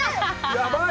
やばい。